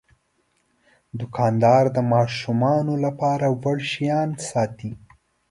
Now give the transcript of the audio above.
دوکاندار د ماشومانو لپاره وړ شیان ساتي.